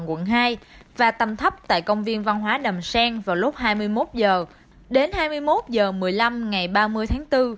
quận hai và tầm thấp tại công viên văn hóa đầm sen vào lúc hai mươi một h đến hai mươi một h một mươi năm ngày ba mươi tháng bốn